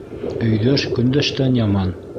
Өйҙәш көндәштән яман.